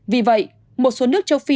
vì vậy một số nước châu phi